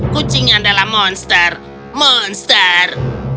kucing adalah monster monster